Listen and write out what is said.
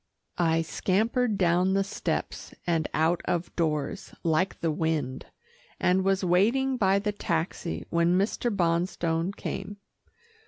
I scampered down the steps and out of doors like the wind, and was waiting by the taxi when Mr. Bonstone came.